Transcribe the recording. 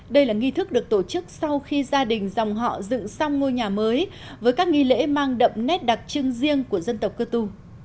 đây là nghi thức được tổ chức sau khi gia đình dòng họ dựng xong ngôi nhà mới với các nghi lễ mang đậm nét đặc trưng riêng của dân tộc cơ tu